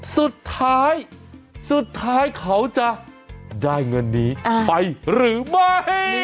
สุดท้ายสุดท้ายเขาจะได้เงินนี้ไปหรือไม่